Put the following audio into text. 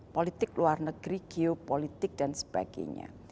politik luar negeri geopolitik dan sebagainya